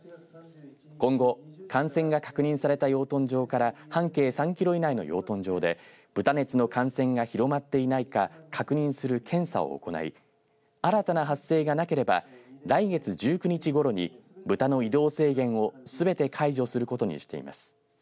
今後、感染が確認された養豚場から半径３キロ以内の養豚場で豚熱の感染が広まっていないか確認する検査を行い新たな発生がなければ来月１９日ごろに豚の移動制限をすべて解除することにしています。